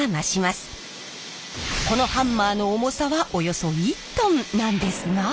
このハンマーの重さはおよそ１トンなんですが。